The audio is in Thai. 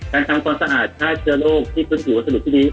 การทำความสะอาดชาติชื่อโรคที่คุ้มถี่วสัญลูกที่ดี